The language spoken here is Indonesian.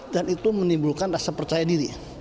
dan itu menimbulkan rasa percaya diri